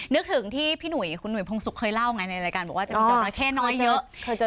นึกถึงที่พี่หนุ่ยคุณหุยพงศุกร์เคยเล่าไงในรายการบอกว่าจะมีจราเข้น้อยเยอะ